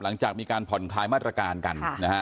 หลังจากมีการผ่อนคลายมาตรการกันนะฮะ